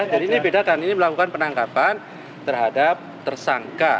jadi ini beda kan ini melakukan penangkapan terhadap tersangka